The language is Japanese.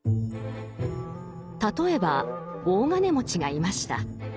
例えば大金持ちがいました。